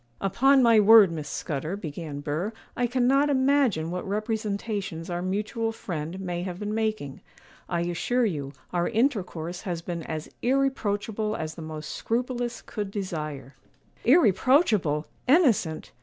'Upon my word, Miss Scudder,' began Burr, 'I cannot imagine what representations our mutual friend may have been making. I assure you, our intercourse has been as irreproachable as the most scrupulous could desire.' 'Irreproachable! innocent!